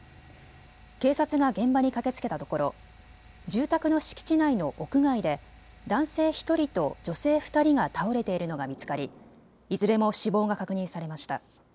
警察が現場に駆けつけたところ住宅の敷地内の屋外で男性１人と女性２人が倒れているのが見つかりいずれも死亡が確認されました。